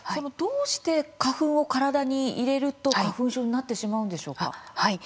どうして花粉を体に入れると、花粉症になってしまうんでしょうか？